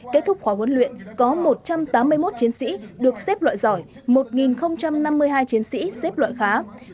kết thúc khóa huấn luyện có một trăm tám mươi một chiến sĩ được xếp loại giỏi một năm mươi hai chiến sĩ xếp loại khá